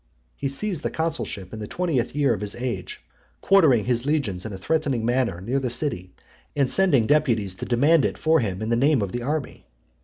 He seized the consulship in the twentieth year of his age, quartering his legions in a threatening manner near the city, and sending deputies to demand it for him in the name of the army.